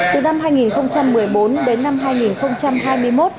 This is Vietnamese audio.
từ năm hai nghìn một mươi bốn đến năm hai nghìn hai mươi một